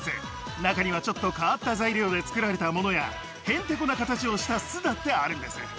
中にはちょっと変わった材料で作られたものやへんてこな形をした巣だってあるんです。